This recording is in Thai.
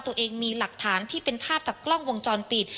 ตัวเองมีหลักฐานที่เป็นภาพจากกล้องวงจรปิด